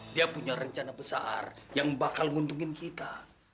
dia punya rencana besar yang bakal nguntungin kita